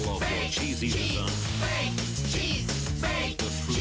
チーズ！